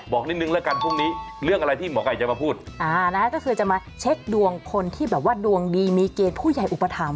บอกนิดนึงละกันพรุ่งนี้